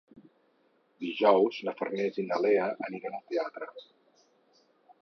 Dijous na Farners i na Lea aniran al teatre.